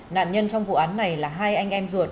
nạn nhân trong vụ án này là hai anh em ruột